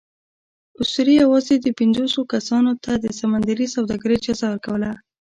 اسطورې یواځې پینځوسوو کسانو ته د سمندري سوداګرۍ اجازه ورکوله.